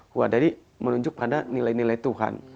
jadi menunjuk pada nilai nilai tuhan